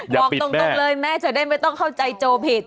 บอกตรงเลยแม่จะได้ไม่ต้องเข้าใจโจผิด